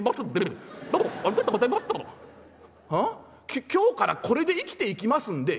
きょ今日からこれで生きていきますんで？